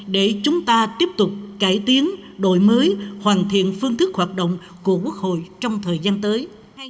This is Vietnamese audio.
để chúng ta tiếp tục cải tiến đổi mới hoàn thiện phương thức hoạt động của quốc hội trong thời gian tới